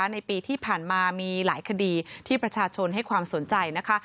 ในปีที่ผ่านมามีหลายคดีที่ประชาชนให้ความสนใจนะคะ